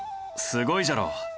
すごいじゃろ？